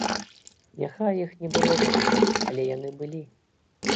Няхай іх не было зашмат, але яны былі.